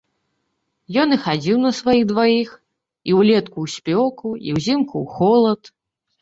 Ён і хадзіў на сваіх дваіх, і ўлетку, у спёку, і ўзімку, у холад.